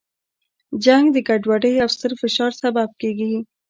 جنګ د ګډوډۍ او ستر فشار سبب کیږي.